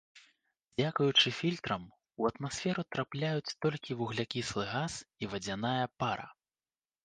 Дзякуючы фільтрам у атмасферу трапляюць толькі вуглякіслы газ і вадзяная пара.